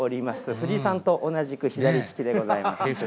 藤井さんと同じく左利きでございます。